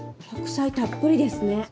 白菜たっぷりですね。